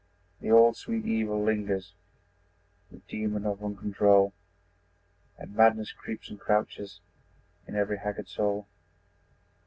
The old, sweet evil lingers, The demon of uncontrol, And madness creeps and crouches In every haggard soul.